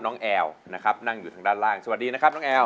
แอลนะครับนั่งอยู่ทางด้านล่างสวัสดีนะครับน้องแอล